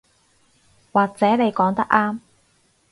或者你講得啱